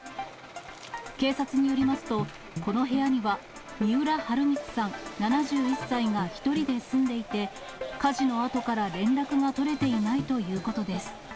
警察によりますと、この部屋には、三浦春光さん７１歳が１人で住んでいて、火事のあとから連絡が取れていないということです。